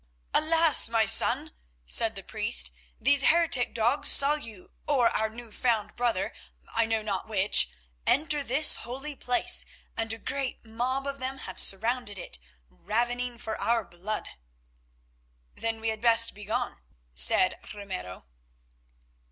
"Alas! my son," said the priest, "these heretic dogs saw you, or our new found brother, I know not which—enter this holy place, and a great mob of them have surrounded it, ravening for our blood." "Then we had best begone," said Ramiro.